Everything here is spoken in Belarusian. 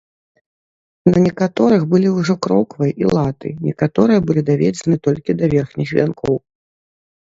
На некаторых былі ўжо кроквы і латы, некаторыя былі даведзены толькі да верхніх вянкоў.